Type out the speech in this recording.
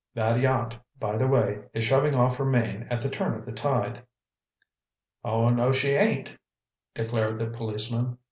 That yacht, by the way, is shoving off for Maine at the turn of the tide." "Oh, no, she ain't—" declared the policeman.